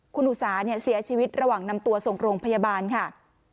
คุณอุสาเนี่ยเสียชีวิตระหว่างนำตัวส่งโรงพยาบาลค่ะ